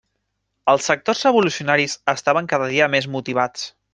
Els sectors revolucionaris estaven cada dia més motivats.